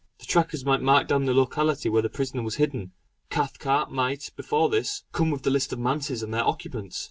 The trackers might mark down the locality where the prisoner was hidden. Cathcart might, before this, come with the list of manses and their occupants.